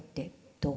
どう？